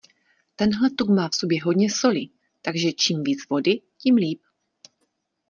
Tenhle tuk má v sobě hodně soli, takže čím víc vody, tím líp.